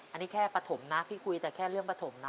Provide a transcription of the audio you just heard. อันนี้แค่ปฐมนะพี่คุยแต่แค่เรื่องปฐมนะ